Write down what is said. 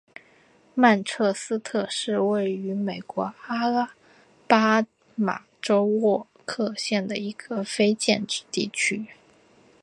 曼彻斯特是位于美国阿拉巴马州沃克县的一个非建制地区。